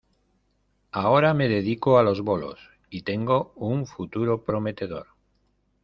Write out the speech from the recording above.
Ahora me dedico a los bolos y tengo un futuro prometedor.